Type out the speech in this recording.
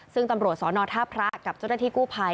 ซึ่งตำรวจสอนอท่าพระกับเจ้าหน้าที่กู้ภัย